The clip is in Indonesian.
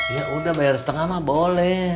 ya udah bayar setengah mah boleh